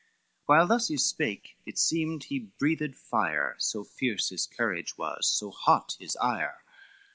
While thus he spake, it seemed he breathed fire, So fierce his courage was, so hot his ire.